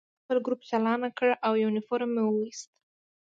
ما خپل ګروپ چالان کړ او یونیفورم مې وویست